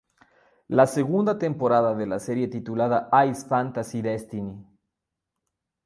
La segunda temporada de la serie titulada "Ice Fantasy Destiny".